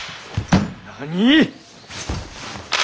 何！？